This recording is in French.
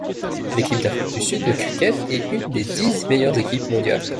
L'équipe d'Afrique du Sud de cricket est une des dix meilleures équipes mondiales.